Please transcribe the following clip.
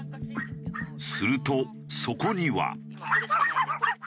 するとそこには。